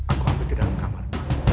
aku ambil ke dalam kamar